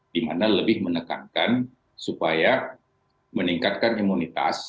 dimana lebih menekankan supaya meningkatkan imunitas